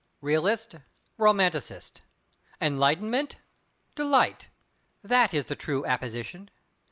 Realist—Romanticist! Enlightenment—Delight! That is the true apposition.